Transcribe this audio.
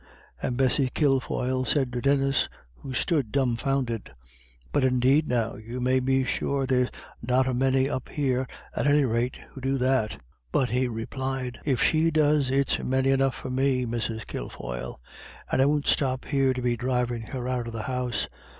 And Bessie Kilfoyle said to Denis, who stood dumbfounded: "But indeed now, you may be sure there's not a many up here, at any rate, who do that." But he replied: "If she does, it's many enough for me, Mrs. Kilfoyle. And I won't stop here to be drivin' her out of the house.